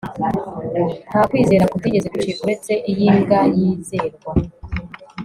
nta kwizera kutigeze gucika, uretse iy'imbwa yizerwa